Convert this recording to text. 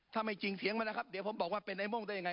ถ้าไม่จริงเสียงมันนะครับเดี๋ยวผมบอกว่าเป็นไอ้โม่งได้ยังไง